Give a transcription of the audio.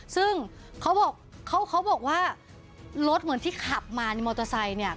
ซึ่งเขาบอกเขาบอกว่ารถเหมือนที่ขับมาในมอเตอร์ไซค์เนี่ย